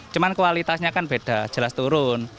cuma kualitasnya kan beda jelas turun